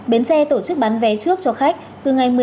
bến xe tổ chức bán vé trước cho khách hàng